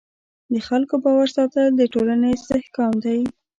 د خلکو باور ساتل د ټولنې استحکام دی.